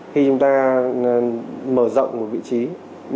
khi chúng ta mở rộng một vị trí nhưng ở những vị trí khác